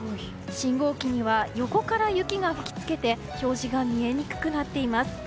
信号機には横から雪が吹き付けて表示が見えにくくなっています。